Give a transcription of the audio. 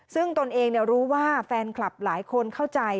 ซึ่งตนเองรู้ว่าแฟนคลับหลายคนเข้าใจ